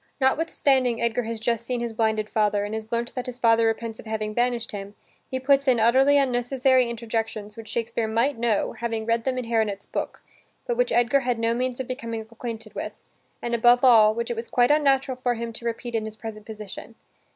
Notwithstanding Edgar has just seen his blinded father, and has learnt that his father repents of having banished him, he puts in utterly unnecessary interjections which Shakespeare might know, having read them in Haronet's book, but which Edgar had no means of becoming acquainted with, and above all, which it was quite unnatural for him to repeat in his present position.